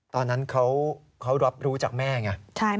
ตอนนั้นเขารับรู้จากแม่ไง